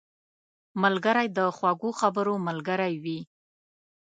ملګری د خوږو خبرو ملګری وي